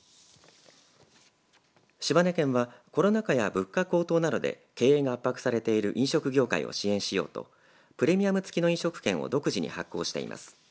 島根県はコロナ禍や物価高騰などで経営が圧迫されている飲食業界を支援しようとプレミアム付きの飲食券を独自に発行しています。